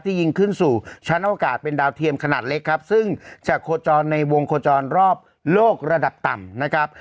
ยิงขึ้นสู่ชั้นโอกาสเป็นดาวเทียมขนาดเล็กครับซึ่งจะโคจรในวงโคจรรอบโลกระดับต่ำนะครับ